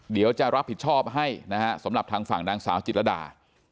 เดี๋ยวจะรับผิดชอบให้นะฮะสำหรับทางฝั่งนางสาวจิตรดา